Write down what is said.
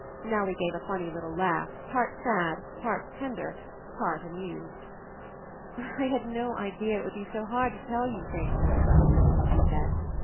Nellie gave a funny little laugh, part sad, part tender, part amused. "I had no idea it would be so hard to tell you things," she said.